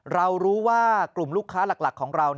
เรารู้ว่ากลุ่มลูกค้าหลักของเรา